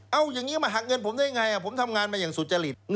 เอาอย่างนี้มาหักเงินผมได้ไงผมทำงานมาอย่างสุจริต